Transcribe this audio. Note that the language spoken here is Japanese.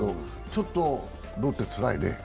ちょっと、ロッテつらいね。